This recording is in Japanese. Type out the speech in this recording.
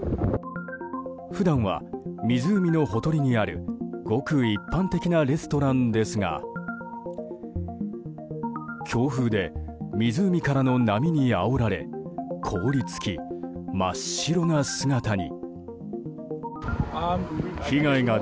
普段は湖のほとりにあるごく一般的なレストランですが強風で湖からの波にあおられ凍り付き、真っ白な姿に。